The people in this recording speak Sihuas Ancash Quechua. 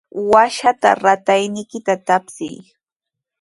Washatraw ratayniykita tapsiy.